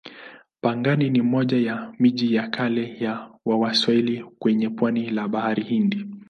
Pangani ni moja ya miji ya kale ya Waswahili kwenye pwani la Bahari Hindi.